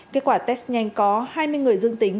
kết quả test nhanh có hai mươi người dương tính